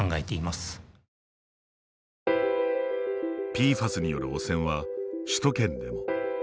ＰＦＡＳによる汚染は首都圏でも。